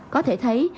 có thể thấy